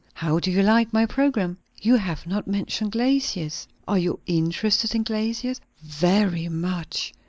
"How do you like my programme?" "You have not mentioned glaciers." "Are you' interested in glaciers?" "Very much."